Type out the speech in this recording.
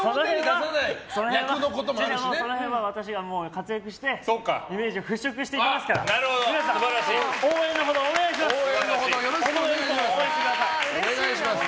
その辺は、私が活躍してイメージを払拭していきますから応援のほどよろしくお願いします。